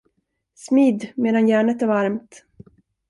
Smid medan järnet är varmt.